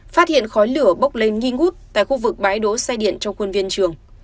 phát hiện khói lửa bốc lên nghi ngút tại khu vực bãi đổ xe điện trong khuôn viên trường